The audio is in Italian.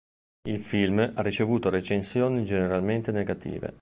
Il film ha ricevuto recensioni generalmente negative.